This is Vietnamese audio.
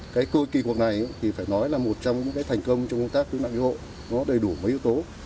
cái kỳ cuộc này thì phải nói là một trong những cái thành công trong công tác cứu nạn cứu hộ có đầy đủ mấy yếu tố